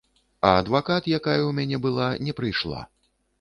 А адвакат, якая ў мяне была, не прыйшла.